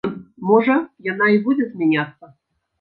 Можа, яна і будзе змяняцца.